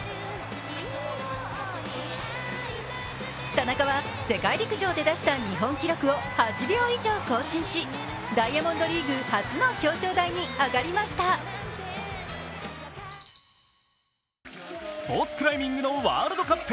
田中は世界陸上で出した日本記録を８秒以上更新し、ダイヤモンドリーグ初の表彰台に上がりましたスポーツクライミングのワールドカップ。